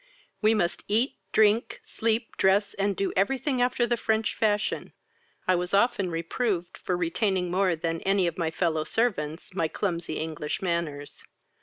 We must eat, drink, sleep, dress, and do every thing after the French fashion. I was often reproved for retaining more than any of my fellow servants my clumsy English manners.